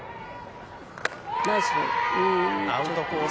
アウトコース